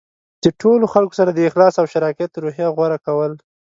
د ټولو خلکو سره د اخلاص او شراکت روحیه غوره کول.